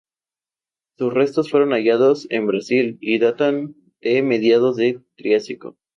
Sus restos fueron hallados en Brasil y datan de mediados del Triásico.